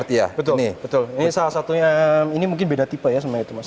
iya betul ini salah satunya ini mungkin beda tipe ya semua itu mas